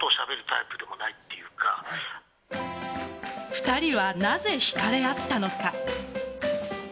２人はなぜ引かれ合ったのか。